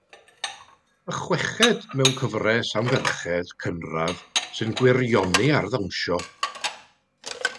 Y chweched mewn cyfres am ferched cynradd sy'n gwirioni ar ddawnsio.